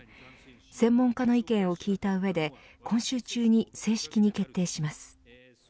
専門家の意見を聞いた上で今週中に正式に決定します。